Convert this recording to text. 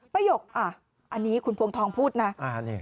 ประหยกอันนี้คุณพวงทองธนันพงศ์พูดนะ